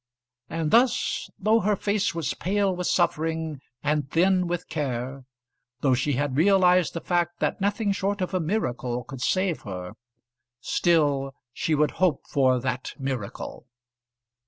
And thus, though her face was pale with suffering and thin with care, though she had realised the fact that nothing short of a miracle could save her, still she would hope for that miracle.